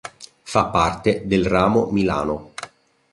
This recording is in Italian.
Fa parte del ramo Milano.